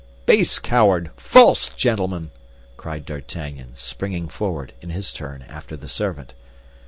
"Base coward! false gentleman!" cried D'Artagnan, springing forward, in his turn, after the servant.